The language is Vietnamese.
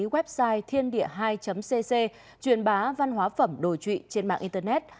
website thiênđịa hai cc truyền bá văn hóa phẩm đổi trụy trên mạng internet